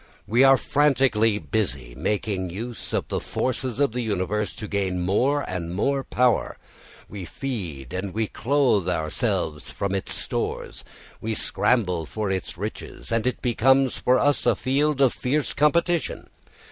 We are frantically busy making use of the forces of the universe to gain more and more power; we feed and we clothe ourselves from its stores, we scramble for its riches, and it becomes for us a field of fierce competition.